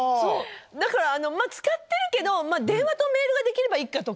使ってるけど電話とメールができればいいか！とか。